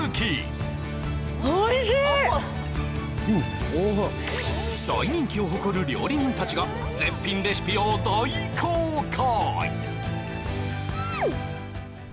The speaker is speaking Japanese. うんおいしい大人気を誇る料理人たちが絶品レシピを大公開